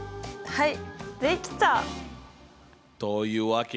はい。